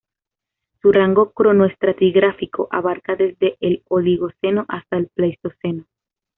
Su rango cronoestratigráfico abarca desde el Oligoceno hasta el Pleistoceno.